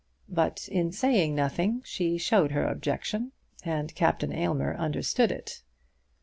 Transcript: But in saying nothing she showed her objection, and Captain Aylmer understood it.